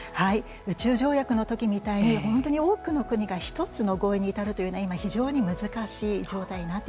宇宙条約の時みたいに本当に多くの国が一つの合意に至るというのが今非常に難しい状態になってしまっています。